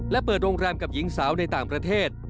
และเปิดโรงแรมกับหญิงสาวในต่างประเทศ